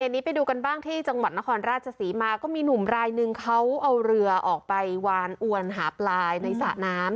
อันนี้ไปดูกันบ้างที่จังหวัดนครราชศรีมาก็มีหนุ่มรายนึงเขาเอาเรือออกไปวานอวนหาปลายในสระน้ำ